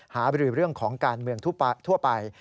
บริเรื่องของการเมืองทั่วไป